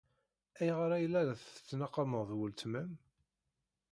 Ayɣer ay la tettnaqameḍ weltma-m?